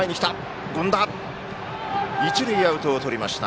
一塁、アウトをとりました。